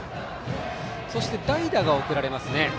そして、代打が送られます。